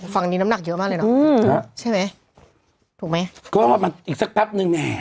ฝั่งนี้น้ำหนักเยอะมากเลยน่ะอืมใช่ไหมถูกไหมก็ออกมาอีกสักพักหนึ่งแน่